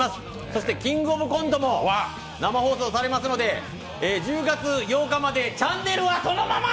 そして「キングオブコント」も生放送されますので、１０月８日まで、チャンネルはそのまま！